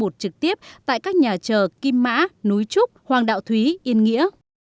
trực tiếp tại các nhà chờ kim mã núi trúc hoàng đạo thúy yên nghĩa